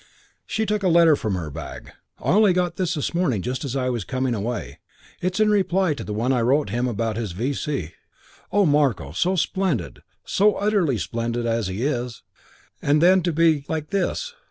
She took a letter from her bag. "I only got this this morning just as I was coming away. It's in reply to the one I wrote him about his V.C. Oh, Marko, so splendid, so utterly splendid as he is, and then to be like this.